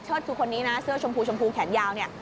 เชิดคือคนนี้นะเสื้อชมพูแขนยาว